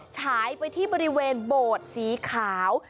ฉายไปที่บริเวณโบสถ์สีขาว